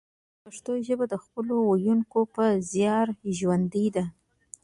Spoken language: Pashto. پښتو ژبه د خپلو ویونکو په زیار ژوندۍ ده